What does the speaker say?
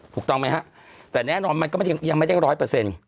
ถูกต้องไหมฮะแต่แน่นอนมันก็ไม่ได้ยังไม่ได้ร้อยเปอร์เซ็นต์